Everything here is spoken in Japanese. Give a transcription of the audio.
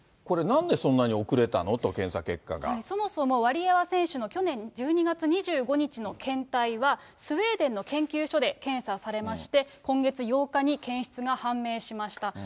これ、なんでそんなに遅れたの？と、そもそも、ワリエワ選手の去年１２月２５日の検体は、スウェーデンの研究所で検査されまして、今月８日に検出が判明しました。